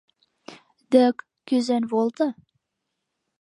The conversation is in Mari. — Дык... кӱзен волто!..